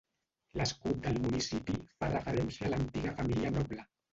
L'escut del municipi fa referència a l'antiga família noble.